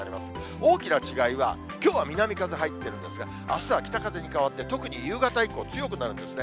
大きな違いは、きょうは南風入ってるんですが、あすは北風に変わって、特に夕方以降、強くなるんですね。